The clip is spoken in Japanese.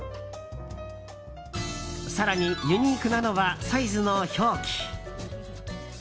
更にユニークなのはサイズの表記。